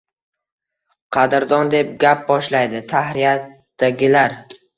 Qadrdon, deb gap boshlaydi tahririyatdagilar